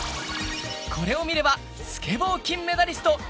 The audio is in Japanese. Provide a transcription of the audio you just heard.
これを見ればスケボー金メダリスト